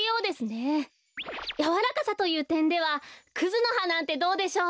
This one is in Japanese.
やわらかさというてんではクズのはなんてどうでしょう？